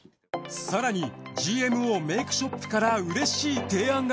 更にＧＭＯメイクショップからうれしい提案が。